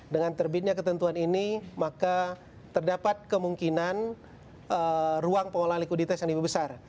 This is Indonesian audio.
dengan terbitnya ketentuan ini maka terdapat kemungkinan ruang pengolah likuiditas yang lebih besar